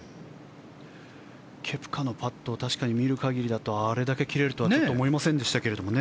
ケプカのパットを確かに見る限りだとあれだけ切れるとはちょっと思いませんでしたけどね。